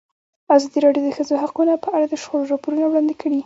ازادي راډیو د د ښځو حقونه په اړه د شخړو راپورونه وړاندې کړي.